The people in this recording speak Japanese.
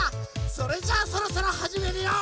それじゃあそろそろはじめるよ！